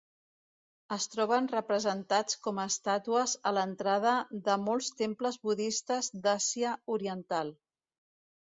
Es troben representats com estàtues a l'entrada de molts temples budistes d'Àsia Oriental.